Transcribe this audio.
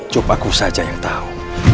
coba aku saja yang tahu